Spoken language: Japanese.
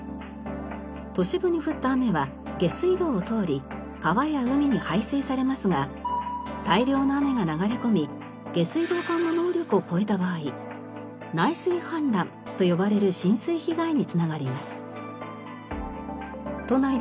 都市部に降った雨は下水道を通り川や海に排水されますが大量の雨が流れ込み下水道管の能力を超えた場合内水氾濫と呼ばれる浸水被害に繋がります。